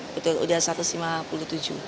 betul sudah satu ratus lima puluh tujuh